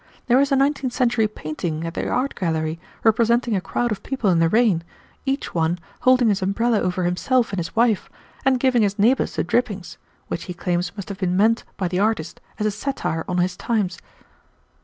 There is a nineteenth century painting at the Art Gallery representing a crowd of people in the rain, each one holding his umbrella over himself and his wife, and giving his neighbors the drippings, which he claims must have been meant by the artist as a satire on his times."